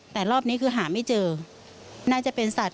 แต่รอบนี้คือหาไม่เจอน่าจะเป็นสัตว